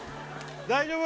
大丈夫？